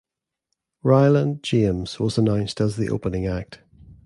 Ryland James was announced as the opening act.